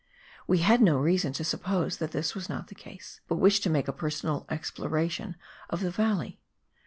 We had no reason to suppose that this was not the case, but wished to make a personal exploration of the valley.